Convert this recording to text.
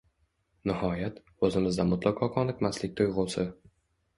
Nihoyat, o‘zimda mutlaqo qoniqmaslik tuyg‘usi